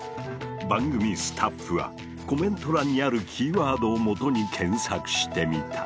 番組スタッフはコメント欄にあるキーワードをもとに検索してみた。